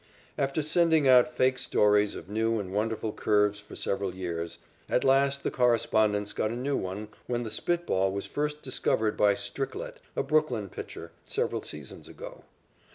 After sending out fake stories of new and wonderful curves for several years, at last the correspondents got a new one when the spit ball was first discovered by Stricklett, a Brooklyn pitcher, several seasons ago.